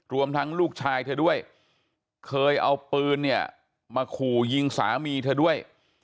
รวมทั้งลูกชายเธอด้วยเคยเอาปืนเนี่ยมาขู่ยิงสามีเธอด้วย